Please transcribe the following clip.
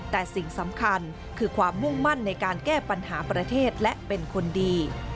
แต่สิ่งสำคัญคือความมุ่งมั่นในการแก้ปัญหาประเทศและเป็นคนดี